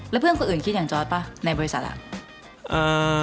แล้วเพื่อนคนอื่นคิดอย่างจอร์ดป่ะในบริษัทอ่ะ